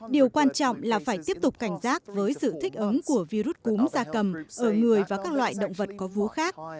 điều quan trọng là phải tiếp tục cảnh giác với sự thích ứng của virus cúm da cầm ở người và các loại động vật có vú khác